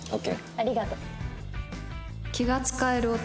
ありがとう。